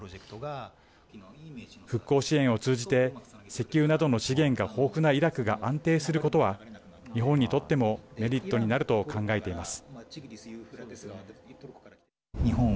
復興支援を通じて石油などの資源が豊富なイラクが安定することは日本にとってもメリットになると考えています。